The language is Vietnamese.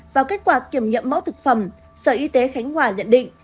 vào kết quả kiểm nghiệm mẫu thực phẩm sở y tế khánh hòa nhận định